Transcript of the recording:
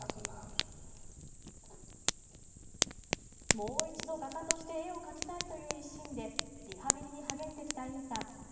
もう一度画家として絵を描きたいという一心でリハビリに励んできた尹さん。